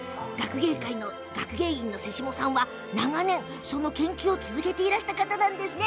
学芸員の瀬下さんは長年、その研究を続けてきた方だったんですね。